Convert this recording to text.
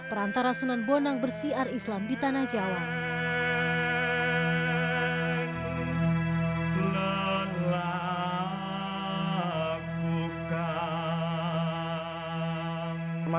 perantara sunan bonang bersiar islam di tanah jawa